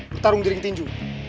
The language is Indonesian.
bertarung jering tinju